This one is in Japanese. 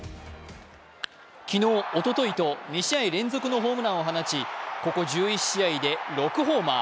昨日、おとといと２試合連続のホームランを放ち、ここ１週で６ホーマー。